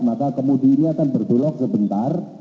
maka kemudinya akan berbelok sebentar